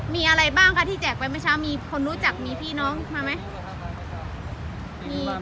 มีอะไรบ้างคะที่แจกไปเมื่อเช้ามีคนรู้จักมีพี่น้องมาไหม